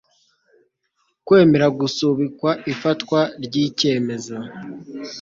kwemera gusubika ifatwa ry icyemezo